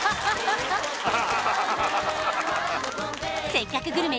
「せっかくグルメ！！」